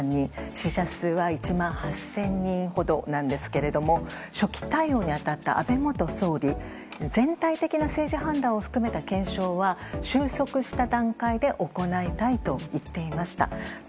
死者数は１万８０００人ほどなんですが初期対応に当たった安倍元総理全体的な政治判断を含めた検証は収束した段階で行いたいと言っていました。